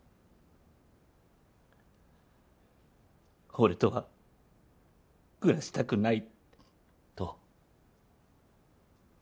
俺とは暮らしたくないと。